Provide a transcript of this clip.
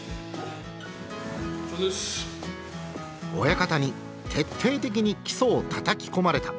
親方に徹底的に基礎をたたき込まれた。